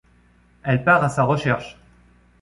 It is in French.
Elle part à sa recherche.